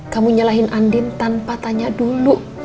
kamu nyalahin andin tanpa tanya dulu